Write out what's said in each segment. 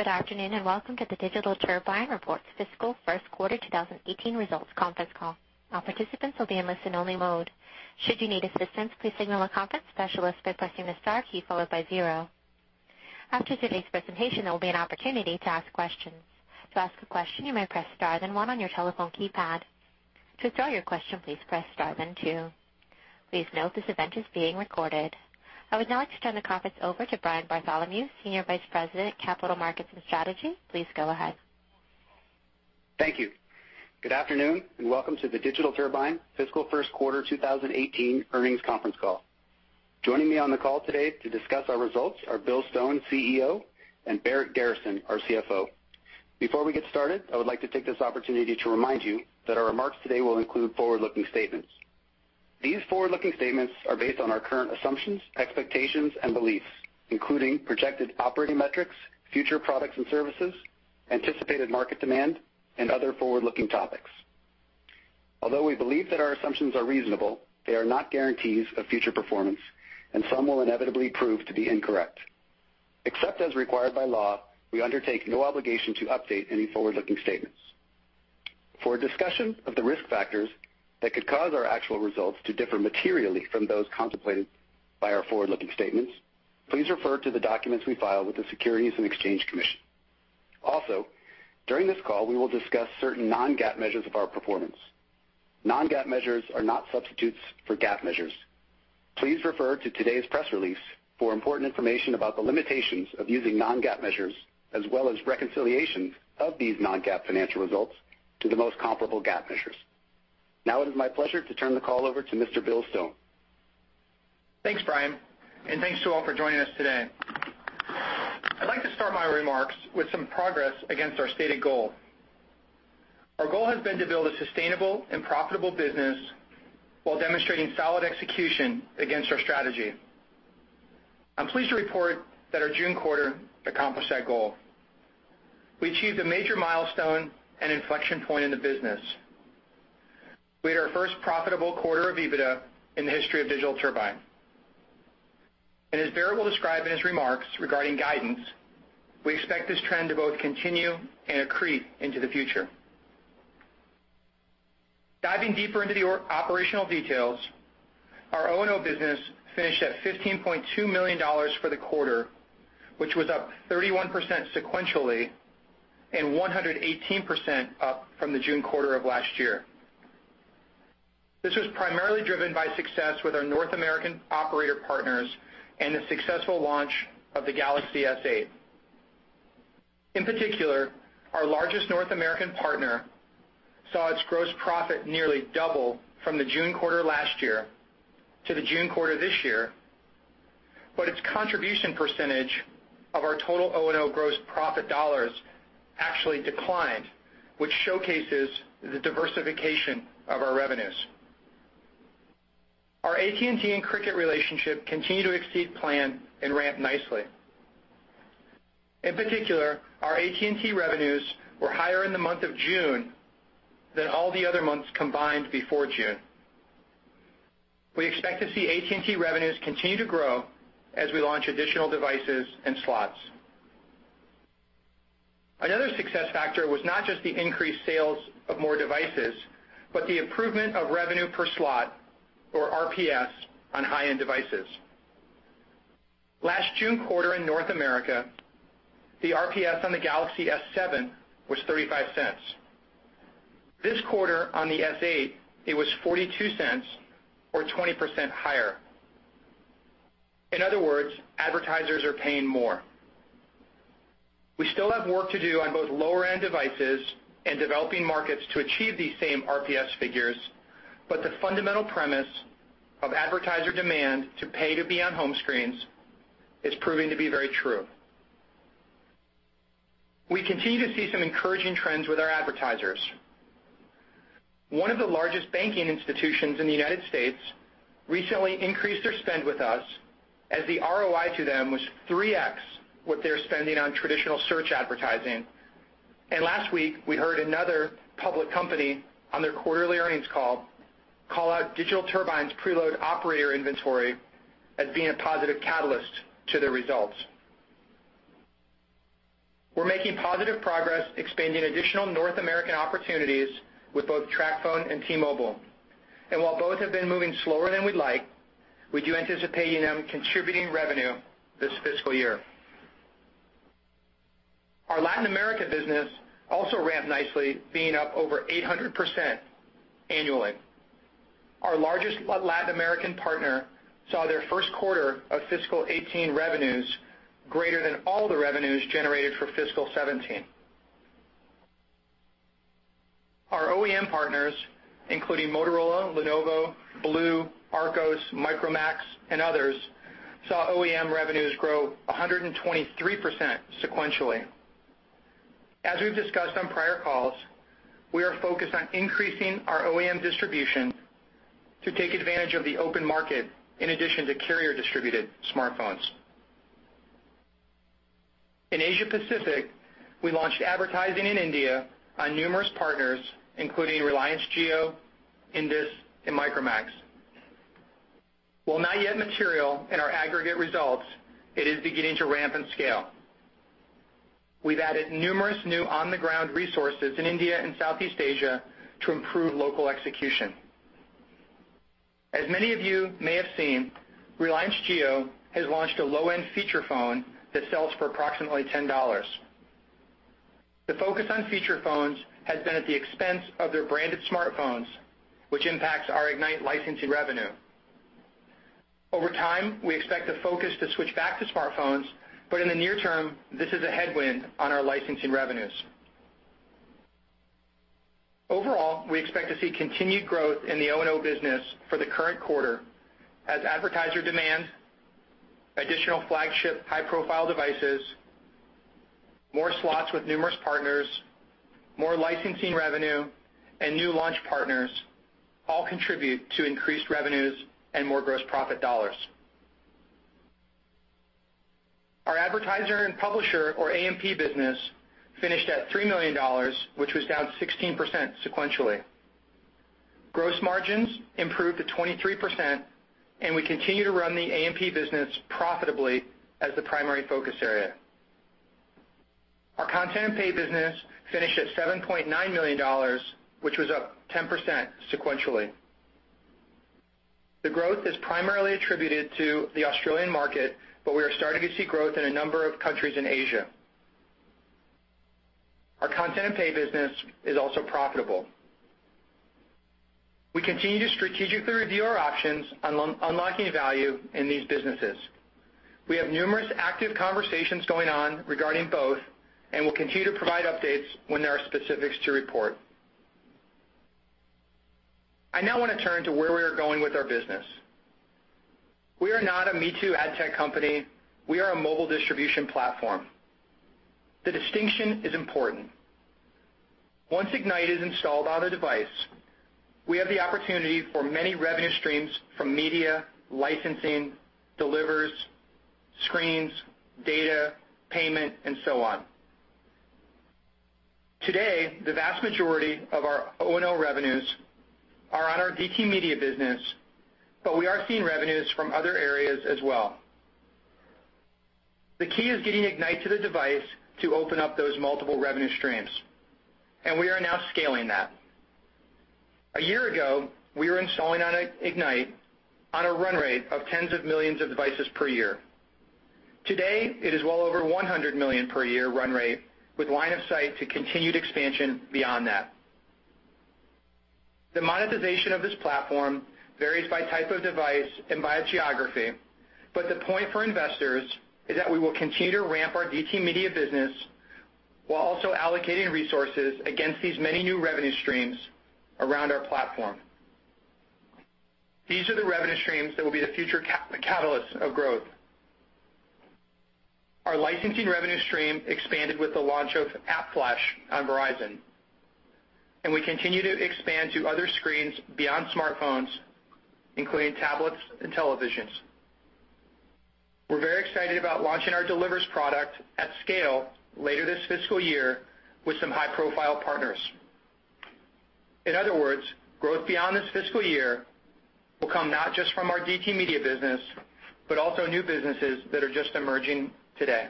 Good afternoon, and welcome to the Digital Turbine's Fiscal First Quarter 2018 Results Conference Call. All participants will be in listen-only mode. Should you need assistance, please signal a conference specialist by pressing the star key followed by zero. After today's presentation, there will be an opportunity to ask questions. To ask a question, you may press star, then one on your telephone keypad. To withdraw your question, please press star, then two. Please note, this event is being recorded. I would now like to turn the conference over to Brian Bartholomew, Senior Vice President, Capital Markets and Strategy. Please go ahead. Thank you. Good afternoon, and welcome to the Digital Turbine Fiscal First Quarter 2018 Earnings Conference Call. Joining me on the call today to discuss our results are Bill Stone, CEO, and Barrett Garrison, our CFO. Before we get started, I would like to take this opportunity to remind you that our remarks today will include forward-looking statements. These forward-looking statements are based on our current assumptions, expectations, and beliefs, including projected operating metrics, future products and services, anticipated market demand, and other forward-looking topics. Although we believe that our assumptions are reasonable, they are not guarantees of future performance, and some will inevitably prove to be incorrect. Except as required by law, we undertake no obligation to update any forward-looking statements. For a discussion of the risk factors that could cause our actual results to differ materially from those contemplated by our forward-looking statements, please refer to the documents we file with the Securities and Exchange Commission. Also, during this call, we will discuss certain non-GAAP measures of our performance. Non-GAAP measures are not substitutes for GAAP measures. Please refer to today's press release for important information about the limitations of using non-GAAP measures, as well as reconciliations of these non-GAAP financial results to the most comparable GAAP measures. Now it is my pleasure to turn the call over to Mr. Bill Stone. Thanks, Brian, and thanks to all for joining us today. I'd like to start my remarks with some progress against our stated goal. Our goal has been to build a sustainable and profitable business while demonstrating solid execution against our strategy. I'm pleased to report that our June quarter accomplished that goal. We achieved a major milestone and inflection point in the business. We had our first profitable quarter of EBITDA in the history of Digital Turbine. As Barrett will describe in his remarks regarding guidance, we expect this trend to both continue and accrete into the future. Diving deeper into the operational details, our O&O business finished at $15.2 million for the quarter, which was up 31% sequentially and 118% up from the June quarter of last year. This was primarily driven by success with our North American operator partners and the successful launch of the Galaxy S8. In particular, our largest North American partner saw its gross profit nearly double from the June quarter last year to the June quarter this year, but its contribution percentage of our total O&O gross profit dollars actually declined, which showcases the diversification of our revenues. Our AT&T and Cricket relationship continue to exceed plan and ramp nicely. In particular, our AT&T revenues were higher in the month of June than all the other months combined before June. We expect to see AT&T revenues continue to grow as we launch additional devices and slots. Another success factor was not just the increased sales of more devices, but the improvement of revenue per slot, or RPS, on high-end devices. Last June quarter in North America, the RPS on the Galaxy S7 was $0.35. This quarter on the S8, it was $0.42, or 20% higher. In other words, advertisers are paying more. We still have work to do on both lower-end devices and developing markets to achieve these same RPS figures, but the fundamental premise of advertiser demand to pay to be on home screens is proving to be very true. We continue to see some encouraging trends with our advertisers. One of the largest banking institutions in the U.S. recently increased their spend with us as the ROI to them was 3x what they're spending on traditional search advertising. Last week, we heard another public company on their quarterly earnings call out Digital Turbine's preload operator inventory as being a positive catalyst to their results. We're making positive progress expanding additional North American opportunities with both TracFone and T-Mobile. While both have been moving slower than we'd like, we do anticipate them contributing revenue this fiscal year. Our Latin America business also ramped nicely, being up over 800% annually. Our largest Latin American partner saw their first quarter of fiscal 2018 revenues greater than all the revenues generated for fiscal 2017. Our OEM partners, including Motorola, Lenovo, BLU, Archos, Micromax, and others, saw OEM revenues grow 123% sequentially. As we've discussed on prior calls, we are focused on increasing our OEM distribution to take advantage of the open market in addition to carrier-distributed smartphones. In Asia Pacific, we launched advertising in India on numerous partners, including Reliance Jio, Intex, and Micromax. While not yet material in our aggregate results, it is beginning to ramp and scale. We've added numerous new on-the-ground resources in India and Southeast Asia to improve local execution. As many of you may have seen, Reliance Jio has launched a low-end feature phone that sells for approximately $10. The focus on feature phones has been at the expense of their branded smartphones, which impacts our Ignite licensing revenue. Over time, we expect the focus to switch back to smartphones, but in the near term, this is a headwind on our licensing revenues. Overall, we expect to see continued growth in the O&O business for the current quarter as advertiser demand, additional flagship high-profile devices, more slots with numerous partners, more licensing revenue, and new launch partners all contribute to increased revenues and more gross profit dollars. Our AMP business finished at $3 million, which was down 16% sequentially. Gross margins improved to 23%, and we continue to run the AMP business profitably as the primary focus area. Our content and pay business finished at $7.9 million, which was up 10% sequentially. The growth is primarily attributed to the Australian market, but we are starting to see growth in a number of countries in Asia. Our content and pay business is also profitable. We continue to strategically review our options on unlocking value in these businesses. We have numerous active conversations going on regarding both, and we will continue to provide updates when there are specifics to report. I now want to turn to where we are going with our business. We are not a me-too ad tech company. We are a mobile distribution platform. The distinction is important. Once Ignite is installed on a device, we have the opportunity for many revenue streams from media, licensing, Delivers, screens, data, payment, and so on. Today, the vast majority of our O&O revenues are on our DT Media business, but we are seeing revenues from other areas as well. The key is getting Ignite to the device to open up those multiple revenue streams, and we are now scaling that. A year ago, we were installing on Ignite on a run rate of tens of millions of devices per year. Today, it is well over 100 million per year run rate with line of sight to continued expansion beyond that. The monetization of this platform varies by type of device and by geography, but the point for investors is that we will continue to ramp our DT Media business while also allocating resources against these many new revenue streams around our platform. These are the revenue streams that will be the future catalyst of growth. Our licensing revenue stream expanded with the launch of AppFlash on Verizon, and we continue to expand to other screens beyond smartphones, including tablets and televisions. We are very excited about launching our Delivers product at scale later this fiscal year with some high-profile partners. In other words, growth beyond this fiscal year will come not just from our DT Media business, but also new businesses that are just emerging today.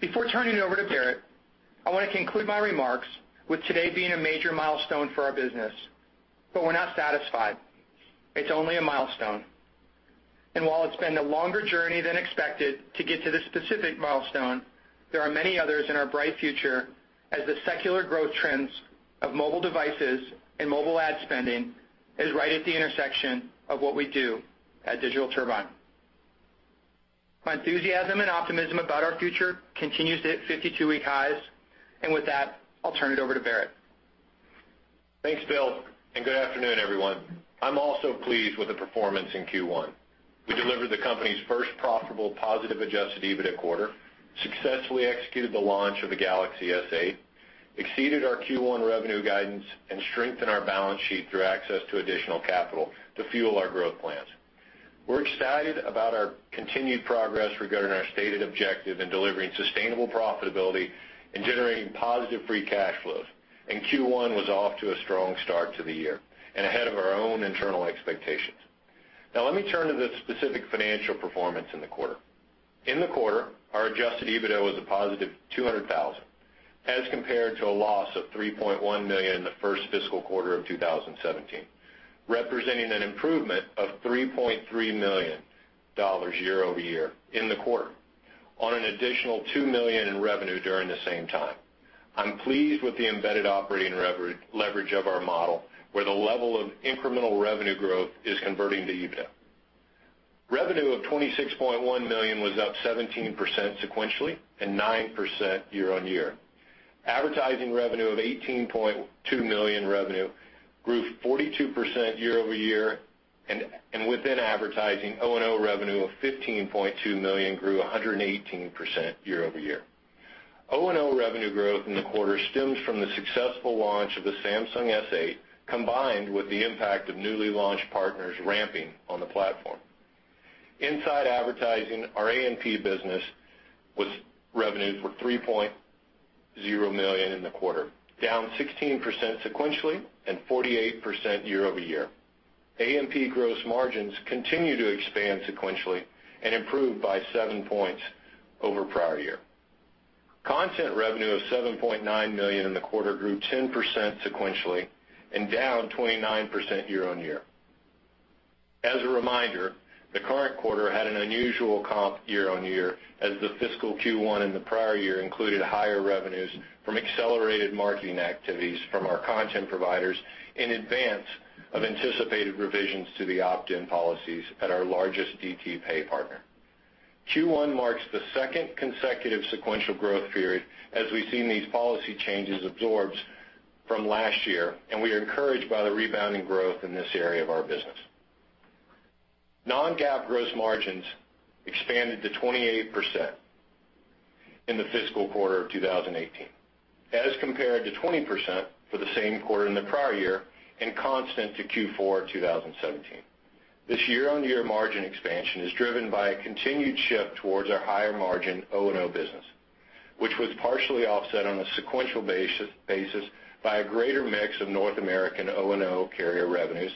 Before turning it over to Barrett, I want to conclude my remarks with today being a major milestone for our business. But we are not satisfied. It is only a milestone. And while it has been a longer journey than expected to get to this specific milestone, there are many others in our bright future as the secular growth trends of mobile devices and mobile ad spending is right at the intersection of what we do at Digital Turbine. My enthusiasm and optimism about our future continues to hit 52-week highs. With that, I will turn it over to Barrett. Thanks, Bill, and good afternoon, everyone. I am also pleased with the performance in Q1. We delivered the company's first profitable positive adjusted EBITDA quarter, successfully executed the launch of the Galaxy S8, exceeded our Q1 revenue guidance, and strengthened our balance sheet through access to additional capital to fuel our growth plans. We are excited about our continued progress regarding our stated objective in delivering sustainable profitability and generating positive free cash flows. Q1 was off to a strong start to the year and ahead of our own internal expectations. Now let me turn to the specific financial performance in the quarter. In the quarter, our adjusted EBITDA was a positive $200,000, as compared to a loss of $3.1 million in the first fiscal quarter of 2017, representing an improvement of $3.3 million year-over-year in the quarter on an additional $2 million in revenue during the same time. I'm pleased with the embedded operating leverage of our model, where the level of incremental revenue growth is converting to EBITDA. Revenue of $26.1 million was up 17% sequentially and 9% year-on-year. Advertising revenue of $18.2 million grew 42% year-over-year, and within advertising, O&O revenue of $15.2 million grew 118% year-over-year. O&O revenue growth in the quarter stems from the successful launch of the Samsung S8, combined with the impact of newly launched partners ramping on the platform. Inside advertising, our AMP business was revenue of $3.0 million in the quarter, down 16% sequentially and 48% year-over-year. AMP gross margins continue to expand sequentially and improved by seven points over prior year. Content revenue of $7.9 million in the quarter grew 10% sequentially and down 29% year-on-year. As a reminder, the current quarter had an unusual comp year-on-year, as the fiscal Q1 in the prior year included higher revenues from accelerated marketing activities from our content providers in advance of anticipated revisions to the opt-in policies at our largest DT Pay partner. Q1 marks the second consecutive sequential growth period as we've seen these policy changes absorbed from last year, and we are encouraged by the rebounding growth in this area of our business. Non-GAAP gross margins expanded to 28% in the fiscal quarter of 2018 as compared to 20% for the same quarter in the prior year and constant to Q4 2017. This year-on-year margin expansion is driven by a continued shift towards our higher margin O&O business, which was partially offset on a sequential basis by a greater mix of North American O&O carrier revenues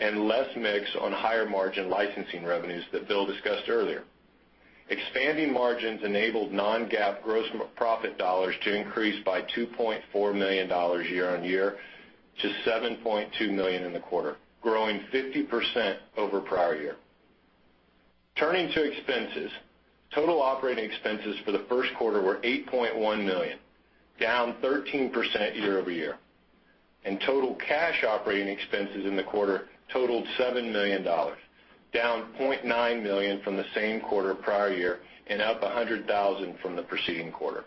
and less mix on higher margin licensing revenues that Bill discussed earlier. Expanding margins enabled non-GAAP gross profit dollars to increase by $2.4 million year-on-year to $7.2 million in the quarter, growing 50% over prior year. Turning to expenses. Total operating expenses for the first quarter were $8.1 million, down 13% year-over-year, and total cash operating expenses in the quarter totaled $7 million, down $0.9 million from the same quarter prior year and up $100,000 from the preceding quarter.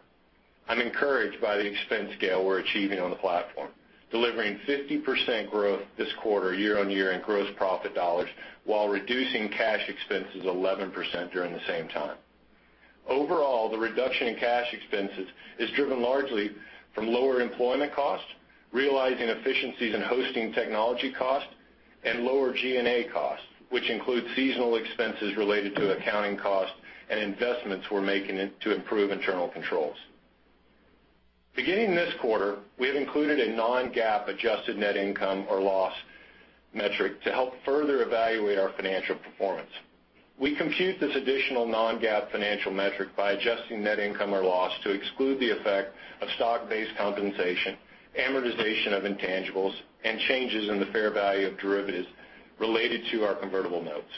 I'm encouraged by the expense scale we're achieving on the platform, delivering 50% growth this quarter year-on-year in gross profit dollars while reducing cash expenses 11% during the same time. Overall, the reduction in cash expenses is driven largely from lower employment costs, realizing efficiencies in hosting technology costs, and lower G&A costs, which include seasonal expenses related to accounting costs and investments we're making to improve internal controls. Beginning this quarter, we have included a non-GAAP adjusted net income or loss metric to help further evaluate our financial performance. We compute this additional non-GAAP financial metric by adjusting net income or loss to exclude the effect of stock-based compensation, amortization of intangibles, and changes in the fair value of derivatives related to our convertible notes.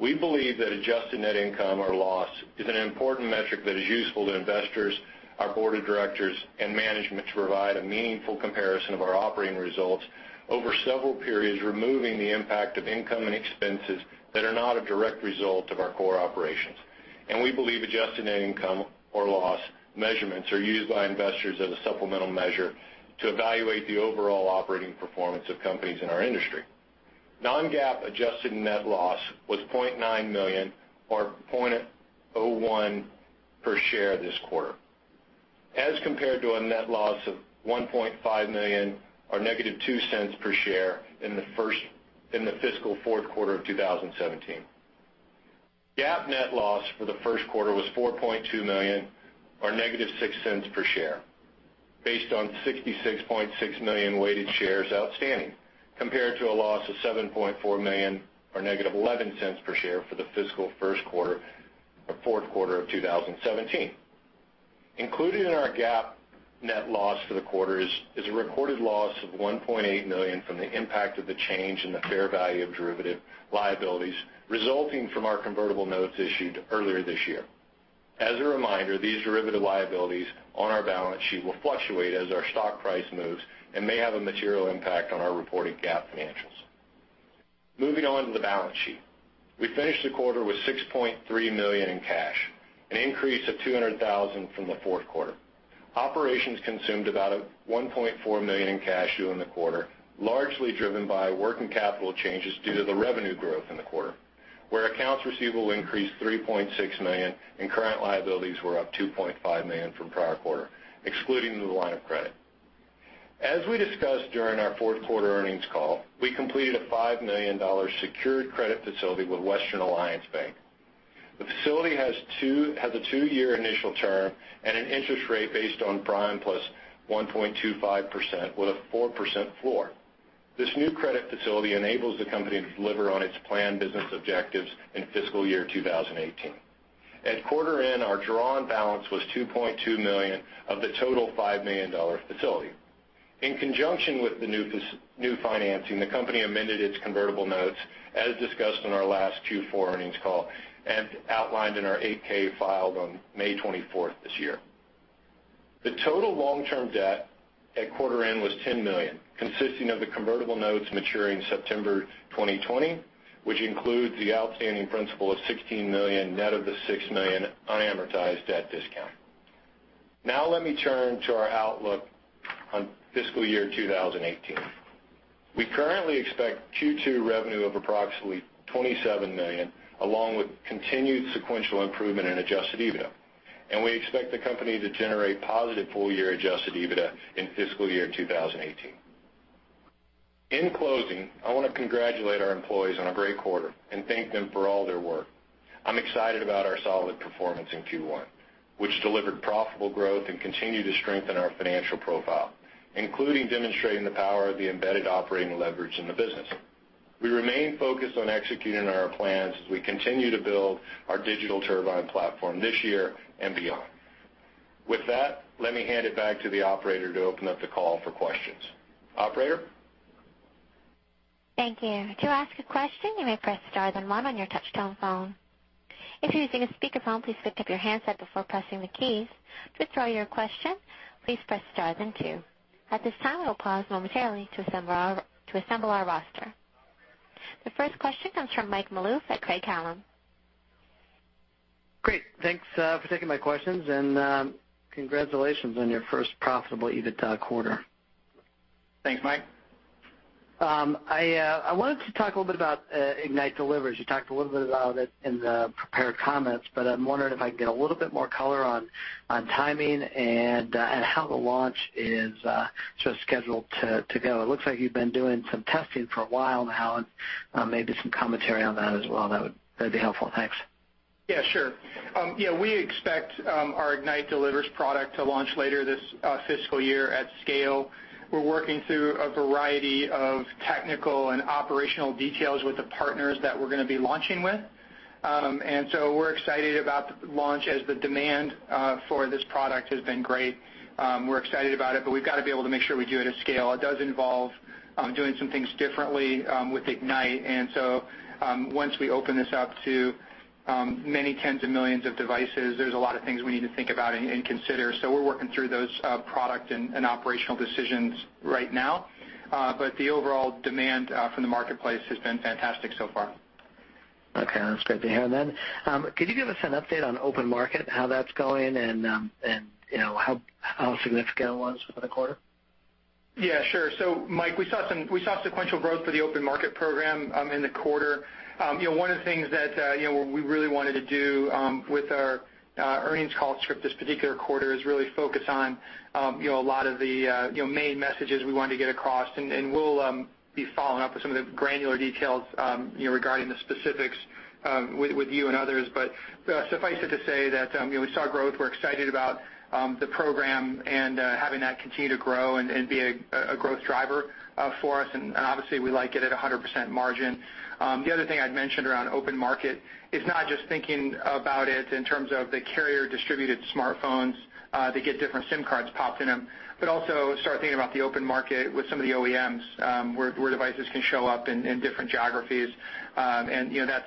We believe that adjusted net income or loss is an important metric that is useful to investors, our board of directors, and management to provide a meaningful comparison of our operating results over several periods, removing the impact of income and expenses that are not a direct result of our core operations. We believe adjusted net income or loss measurements are used by investors as a supplemental measure to evaluate the overall operating performance of companies in our industry. Non-GAAP adjusted net loss was $0.9 million or $0.01 per share this quarter as compared to a net loss of $1.5 million or negative $0.02 per share in the fiscal fourth quarter of 2017. GAAP net loss for the first quarter was $4.2 million or negative $0.06 per share based on 66.6 million weighted shares outstanding compared to a loss of $7.4 million or negative $0.11 per share for the fiscal fourth quarter of 2017. Included in our GAAP net loss for the quarter is a recorded loss of $1.8 million from the impact of the change in the fair value of derivative liabilities resulting from our convertible notes issued earlier this year. As a reminder, these derivative liabilities on our balance sheet will fluctuate as our stock price moves and may have a material impact on our reported GAAP financials. Moving on to the balance sheet. We finished the quarter with $6.3 million in cash, an increase of $200,000 from the fourth quarter. Operations consumed about $1.4 million in cash during the quarter, largely driven by working capital changes due to the revenue growth in the quarter, where accounts receivable increased $3.6 million and current liabilities were up $2.5 million from prior quarter, excluding the line of credit. As we discussed during our fourth quarter earnings call, we completed a $5 million secured credit facility with Western Alliance Bank. The facility has a two-year initial term and an interest rate based on prime plus 1.25% with a 4% floor. This new credit facility enables the company to deliver on its planned business objectives in fiscal year 2018. At quarter end, our drawn balance was $2.2 million of the total $5 million facility. In conjunction with the new financing, the company amended its convertible notes, as discussed in our last Q4 earnings call and outlined in our 8-K filed on May 24th this year. The total long-term debt at quarter end was $10 million, consisting of the convertible notes maturing September 2020, which includes the outstanding principal of $16 million net of the $6 million unamortized at discount. Let me turn to our outlook on fiscal year 2018. We currently expect Q2 revenue of approximately $27 million along with continued sequential improvement in adjusted EBITDA, and we expect the company to generate positive full-year adjusted EBITDA in fiscal year 2018. In closing, I want to congratulate our employees on a great quarter and thank them for all their work. I'm excited about our solid performance in Q1, which delivered profitable growth and continued to strengthen our financial profile, including demonstrating the power of the embedded operating leverage in the business. We remain focused on executing our plans as we continue to build our Digital Turbine platform this year and beyond. With that, let me hand it back to the operator to open up the call for questions. Operator? Thank you. To ask a question, you may press star then one on your touch-tone phone. If you're using a speakerphone, please pick up your handset before pressing the keys. To withdraw your question, please press stars and two. At this time, we'll pause momentarily to assemble our roster. The first question comes from Mike Malouf at Craig-Hallum. Great. Thanks for taking my questions, and congratulations on your first profitable EBITDA quarter. Thanks, Mike. I wanted to talk a little bit about Ignite Delivers. You talked a little bit about it in the prepared comments, but I'm wondering if I can get a little bit more color on timing and how the launch is scheduled to go. It looks like you've been doing some testing for a while now, and maybe some commentary on that as well. That would be helpful. Thanks. Yeah, sure. We expect our Ignite Delivers product to launch later this fiscal year at scale. We're working through a variety of technical and operational details with the partners that we're going to be launching with. We're excited about the launch as the demand for this product has been great. We're excited about it, but we've got to be able to make sure we do it at scale. It does involve doing some things differently with Ignite. Once we open this up to many tens of millions of devices, there's a lot of things we need to think about and consider. We're working through those product and operational decisions right now. The overall demand from the marketplace has been fantastic so far. Okay. That's great to hear. Could you give us an update on open market, how that's going and how significant it was for the quarter? Yeah, sure. Mike, we saw sequential growth for the open market program in the quarter. One of the things that we really wanted to do with our earnings call script this particular quarter is really focus on a lot of the main messages we wanted to get across. We'll be following up with some of the granular details regarding the specifics with you and others. Suffice it to say that we saw growth. We're excited about the program and having that continue to grow and be a growth driver for us. Obviously, we like it at 100% margin. The other thing I'd mention around open market is not just thinking about it in terms of the carrier-distributed smartphones that get different SIM cards popped in them, but also start thinking about the open market with some of the OEMs, where devices can show up in different geographies. That's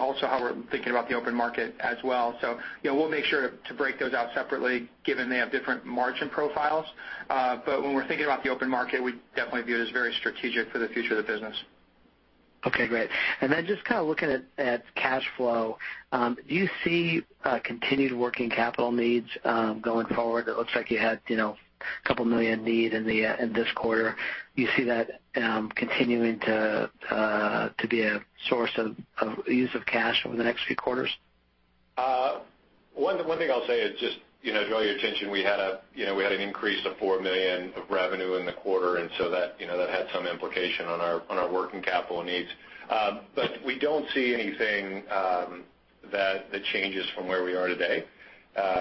also how we're thinking about the open market as well. We'll make sure to break those out separately, given they have different margin profiles. When we're thinking about the open market, we definitely view it as very strategic for the future of the business. Okay, great. Just looking at cash flow, do you see continued working capital needs going forward? It looks like you had a couple million needs in this quarter. Do you see that continuing to be a source of use of cash over the next few quarters? One thing I'll say is just draw your attention, we had an increase of $4 million of revenue in the quarter, that had some implication on our working capital needs. We don't see anything that changes from where we are today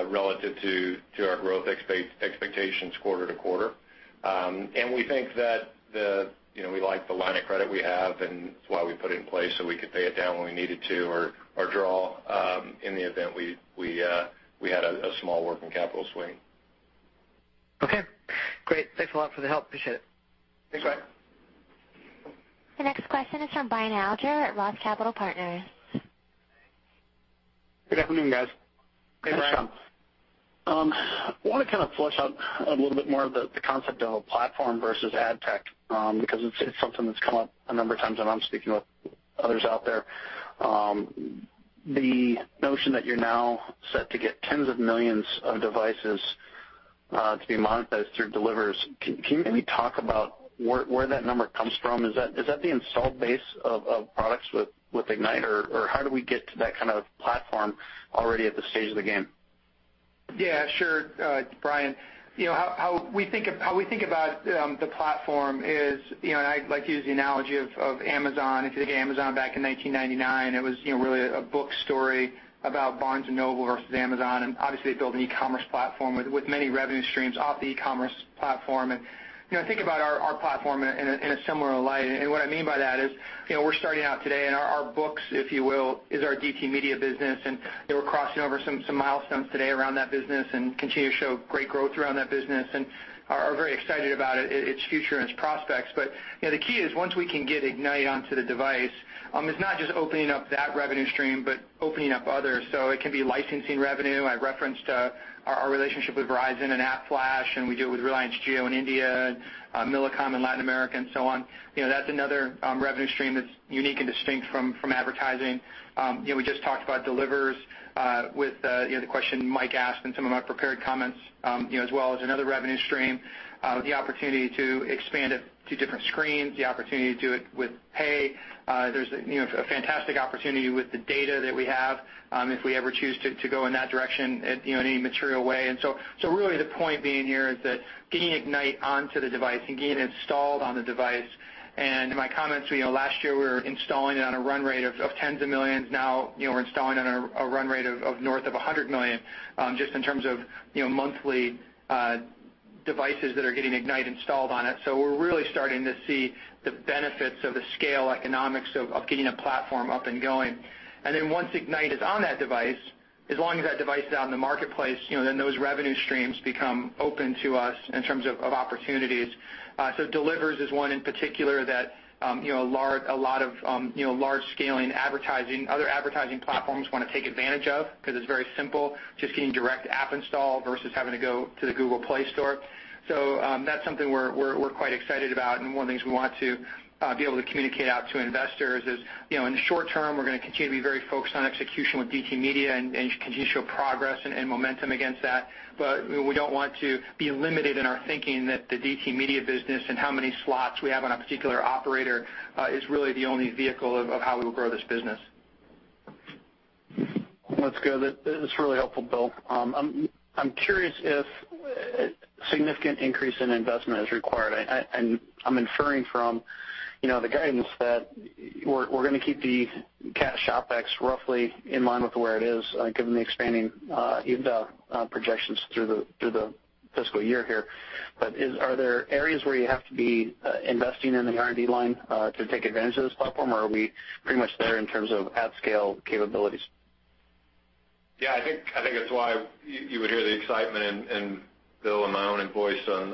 relative to our growth expectations quarter to quarter. We think that we like the line of credit we have, and that's why we put it in place so we could pay it down when we needed to or draw in the event we had a small working capital swing. Okay, great. Thanks a lot for the help. Appreciate it. Thanks, Mike. The next question is from Brian Alger at ROTH Capital Partners. Good afternoon, guys. Hey, Brian. Thanks, Tom. I want to flush out a little bit more of the concept of a platform versus ad tech, because it's something that's come up a number of times when I'm speaking with others out there. The notion that you're now set to get tens of millions of devices to be monetized through Delivers, can you maybe talk about where that number comes from? Is that the install base of products with Ignite, or how do we get to that kind of platform already at this stage of the game? Brian, how we think about the platform is, I like to use the analogy of Amazon. If you think of Amazon back in 1999, it was really a book story about Barnes & Noble versus Amazon, and obviously it built an e-commerce platform with many revenue streams off the e-commerce platform. Think about our platform in a similar light. What I mean by that is we're starting out today and our books, if you will, is our DT Media business, and they were crossing over some milestones today around that business and continue to show great growth around that business and are very excited about its future and its prospects. The key is once we can get Ignite onto the device, it's not just opening up that revenue stream, but opening up others. It can be licensing revenue. I referenced our relationship with Verizon and AppFlash, and we do it with Reliance Jio in India, Millicom in Latin America, and so on. That's another revenue stream that's unique and distinct from advertising. We just talked about Delivers with the question Mike asked and some of my prepared comments as well as another revenue stream, the opportunity to expand it to different screens, the opportunity to do it with pay. There's a fantastic opportunity with the data that we have, if we ever choose to go in that direction in any material way. Really the point being here is that getting Ignite onto the device and getting it installed on the device. My comments, last year we were installing it on a run rate of tens of millions. Now, we're installing it on a run rate of north of 100 million, just in terms of monthly devices that are getting Ignite installed on it. We're really starting to see the benefits of the scale economics of getting a platform up and going. Once Ignite is on that device, as long as that device is out in the marketplace, those revenue streams become open to us in terms of opportunities. Delivers is one in particular that a lot of large-scale other advertising platforms want to take advantage of, because it's very simple, just getting direct app install versus having to go to the Google Play Store. That's something we're quite excited about and one of the things we want to be able to communicate out to investors is, in the short term, we're going to continue to be very focused on execution with DT Media and continue to show progress and momentum against that. We don't want to be limited in our thinking that the DT Media business and how many slots we have on a particular operator, is really the only vehicle of how we will grow this business. That's good. That's really helpful, Bill. I'm curious if a significant increase in investment is required. I'm inferring from the guidance that we're going to keep the cash OpEx roughly in line with where it is, given the expanding EBITDA projections through the fiscal year here. Are there areas where you have to be investing in the R&D line to take advantage of this platform, or are we pretty much there in terms of at-scale capabilities? Yeah, I think it's why you would hear the excitement and Bill and my own voice on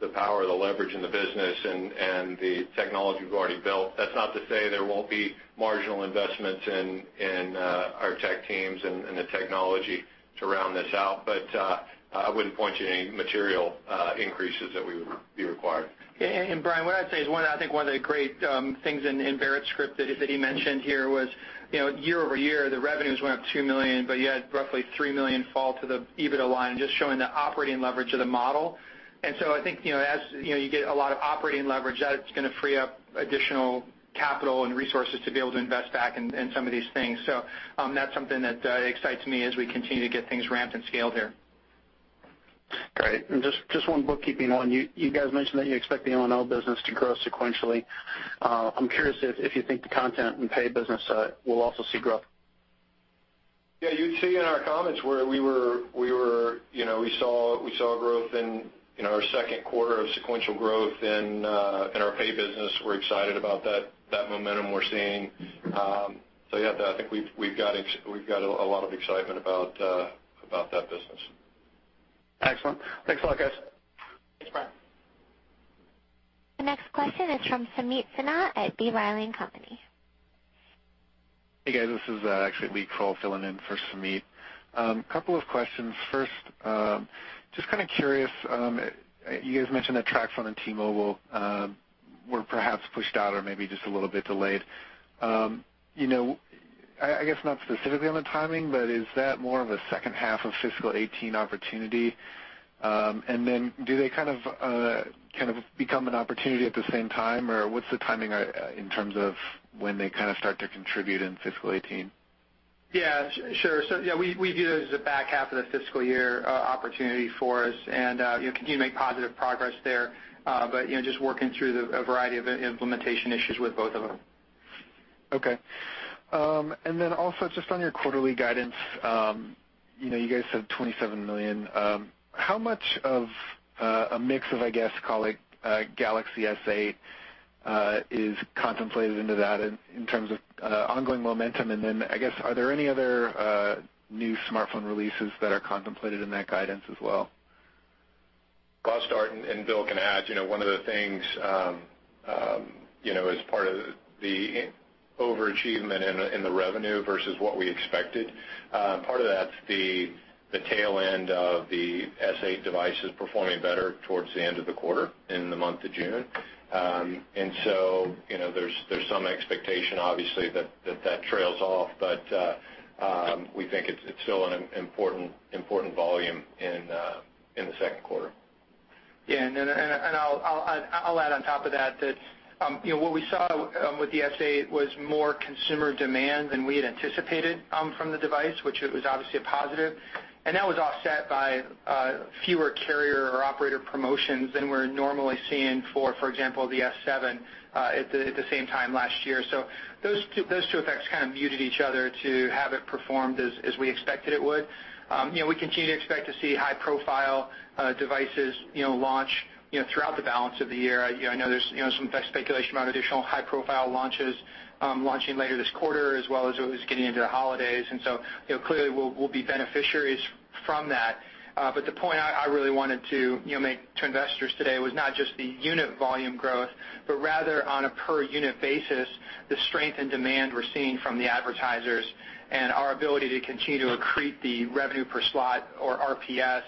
the power of the leverage in the business and the technology we've already built. That's not to say there won't be marginal investments in our tech teams and the technology to round this out. I wouldn't point you to any material increases that we would be required. Brian, what I'd say is I think one of the great things in Barrett's script that he mentioned here was year-over-year, the revenues went up $2 million, but you had roughly $3 million fall to the EBITDA line, just showing the operating leverage of the model. I think, as you get a lot of operating leverage, that's going to free up additional capital and resources to be able to invest back in some of these things. That's something that excites me as we continue to get things ramped and scaled here. Great. Just one bookkeeping one. You guys mentioned that you expect the O&O business to grow sequentially. I'm curious if you think the content and pay business side will also see growth. You'd see in our comments where we saw growth in our second quarter of sequential growth in our pay business. We're excited about that momentum we're seeing. Yeah, I think we've got a lot of excitement about that business. Excellent. Thanks a lot, guys. Thanks, Brian. The next question is from Sameet Sinha at B. Riley & Co. Hey, guys. This is actually Lee Krowl filling in for Sameet. Couple of questions. First, just curious, you guys mentioned that TracFone and T-Mobile were perhaps pushed out or maybe just a little bit delayed. I guess not specifically on the timing, but is that more of a second half of fiscal 2018 opportunity? Do they become an opportunity at the same time, or what's the timing in terms of when they start to contribute in fiscal 2018? Yeah, sure. We view that as a back half of the fiscal year opportunity for us and continue to make positive progress there. Just working through a variety of implementation issues with both of them. Okay. Also just on your quarterly guidance, you guys said $27 million. How much of a mix of, I guess, call it Galaxy S8, is contemplated into that in terms of ongoing momentum? I guess, are there any other new smartphone releases that are contemplated in that guidance as well? I'll start and Bill can add. One of the things as part of the overachievement in the revenue versus what we expected, part of that's the tail end of the S8 devices performing better towards the end of the quarter in the month of June. There's some expectation obviously that trails off, we think it's still an important volume in the second quarter. I'll add on top of that. What we saw with the S8 was more consumer demand than we had anticipated from the device, which it was obviously a positive. That was offset by fewer carrier or operator promotions than we're normally seeing for example, the S7, at the same time last year. Those two effects kind of muted each other to have it performed as we expected it would. We continue to expect to see high-profile devices launch throughout the balance of the year. I know there's some speculation about additional high-profile launches launching later this quarter, as well as what was getting into the holidays. Clearly we'll be beneficiaries from that. The point I really wanted to make to investors today was not just the unit volume growth, but rather on a per-unit basis, the strength and demand we're seeing from the advertisers and our ability to continue to accrete the revenue per slot or RPS,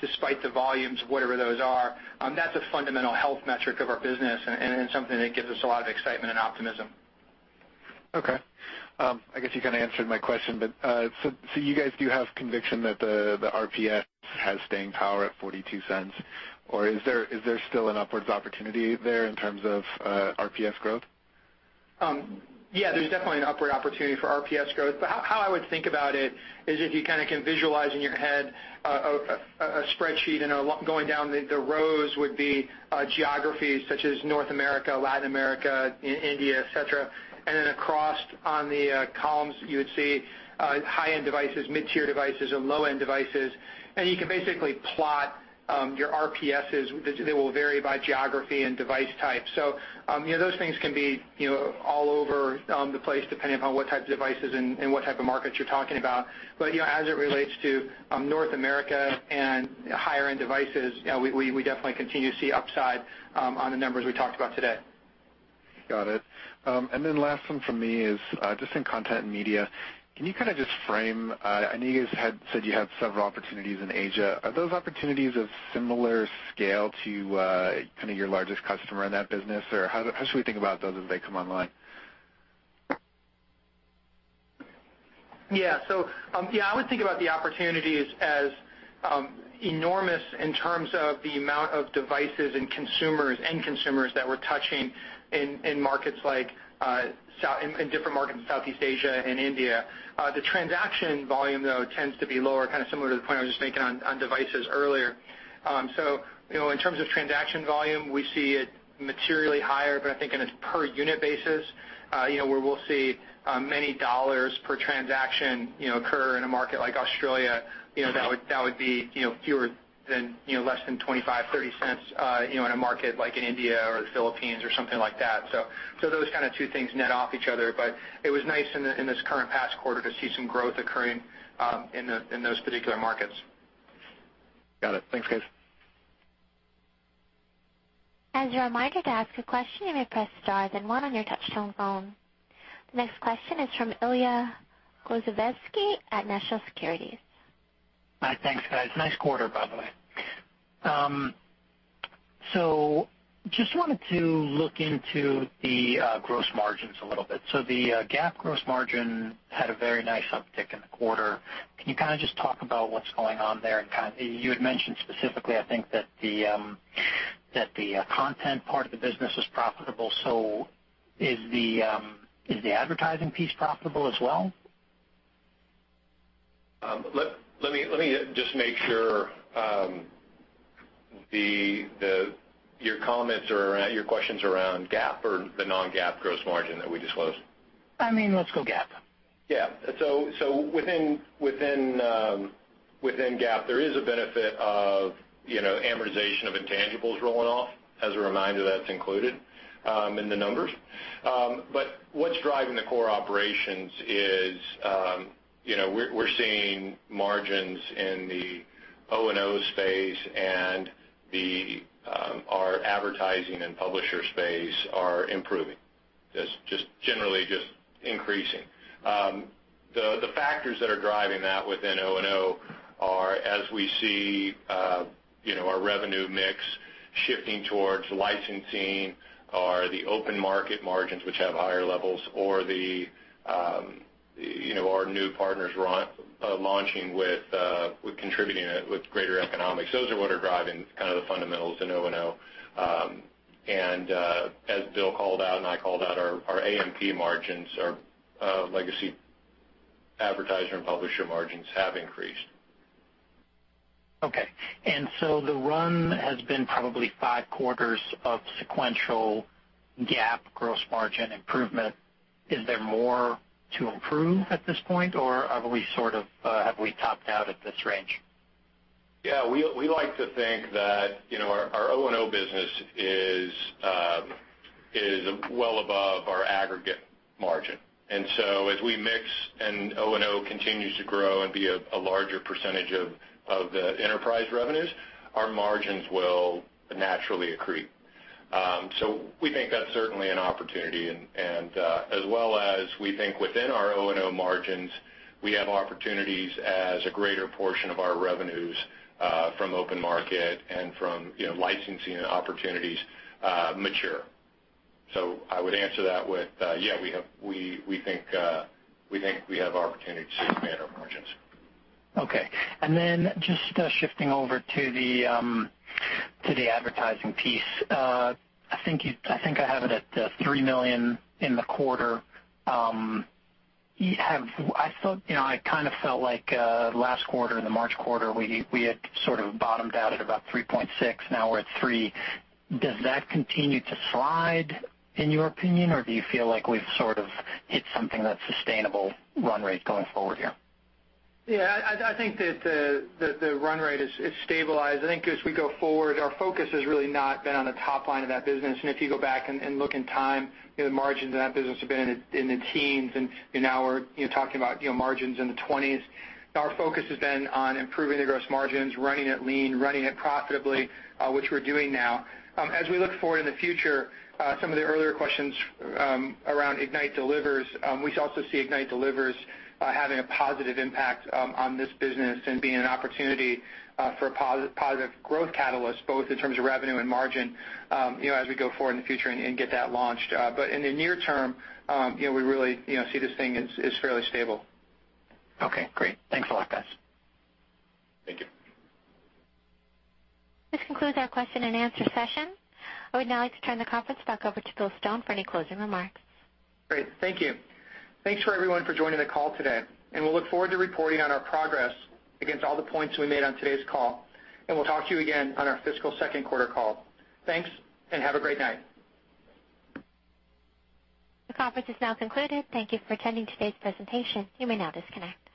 despite the volumes, whatever those are. That's a fundamental health metric of our business and something that gives us a lot of excitement and optimism. I guess you answered my question. You guys do have conviction that the RPS has staying power at $0.42, or is there still an upwards opportunity there in terms of RPS growth? There's definitely an upward opportunity for RPS growth. How I would think about it is if you can visualize in your head a spreadsheet going down the rows would be geographies such as North America, Latin America, India, et cetera. Across on the columns, you would see high-end devices, mid-tier devices, and low-end devices. You can basically plot your RPSs. They will vary by geography and device type. Those things can be all over the place depending upon what types of devices and what type of markets you're talking about. As it relates to North America and higher-end devices, we definitely continue to see upside on the numbers we talked about today. Got it. Last one from me is just in content and media. Can you just frame, I know you guys had said you have several opportunities in Asia. Are those opportunities of similar scale to your largest customer in that business? How should we think about those as they come online? Yeah. I would think about the opportunities as enormous in terms of the amount of devices and consumers, end consumers, that we're touching in different markets in Southeast Asia and India. The transaction volume, though, tends to be lower, kind of similar to the point I was just making on devices earlier. In terms of transaction volume, we see it materially higher. I think in a per unit basis, where we'll see many dollars per transaction occur in a market like Australia, that would be less than $0.25, $0.30 in a market like India or the Philippines or something like that. Those two things net off each other. It was nice in this current past quarter to see some growth occurring in those particular markets. Got it. Thanks, guys. As a reminder, to ask a question, you may press star then one on your touchtone phone. The next question is from Ilya Grozovsky at National Securities. Hi, thanks, guys. Nice quarter, by the way. Just wanted to look into the gross margins a little bit. The GAAP gross margin had a very nice uptick in the quarter. Can you just talk about what's going on there? You had mentioned specifically, I think that the content part of the business is profitable. Is the advertising piece profitable as well? Let me just make sure. Your question's around GAAP or the non-GAAP gross margin that we disclose? Let's go GAAP. Yeah. Within GAAP, there is a benefit of amortization of intangibles rolling off. As a reminder, that's included in the numbers. What's driving the core operations is we're seeing margins in the O&O space and our advertising and publisher space are improving. Just generally increasing. The factors that are driving that within O&O are as we see our revenue mix shifting towards licensing or the open market margins, which have higher levels, or our new partners launching with contributing with greater economics. Those are what are driving kind of the fundamentals in O&O. As Bill called out and I called out, our AMP margins, our legacy advertiser and publisher margins have increased. Okay. The run has been probably five quarters of sequential GAAP gross margin improvement. Is there more to improve at this point, or have we topped out at this range? Yeah, we like to think that our O&O business is well above our aggregate margin. As we mix and O&O continues to grow and be a larger percentage of the enterprise revenues, our margins will naturally accrete. We think that's certainly an opportunity. As well as we think within our O&O margins, we have opportunities as a greater portion of our revenues from open market and from licensing and opportunities mature. I would answer that with, yeah, we think we have opportunity to expand our margins. Okay. Just shifting over to the advertising piece. I think I have it at $3 million in the quarter. I felt like last quarter, in the March quarter, we had sort of bottomed out at about $3.6 million. Now we're at $3 million. Does that continue to slide in your opinion, or do you feel like we've sort of hit something that's sustainable run rate going forward here? Yeah, I think that the run rate is stabilized. I think as we go forward, our focus has really not been on the top line of that business. If you go back and look in time, the margins in that business have been in the teens, and now we're talking about margins in the 20s. Our focus has been on improving the gross margins, running it lean, running it profitably, which we're doing now. As we look forward in the future, some of the earlier questions around Ignite Delivers, we also see Ignite Delivers having a positive impact on this business and being an opportunity for a positive growth catalyst, both in terms of revenue and margin as we go forward in the future and get that launched. In the near term, we really see this thing as fairly stable. Okay, great. Thanks a lot, guys. Thank you. This concludes our question and answer session. I would now like to turn the conference back over to Bill Stone for any closing remarks. Great. Thank you. Thanks for everyone for joining the call today, and we'll look forward to reporting on our progress against all the points we made on today's call, and we'll talk to you again on our fiscal second quarter call. Thanks and have a great night. The conference is now concluded. Thank you for attending today's presentation. You may now disconnect.